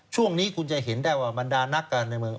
ช่วงนี้คุณจะเห็นได้ว่าบรรดานักการเมืองในเมือง